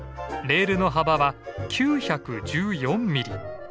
レールの幅は９１４ミリ。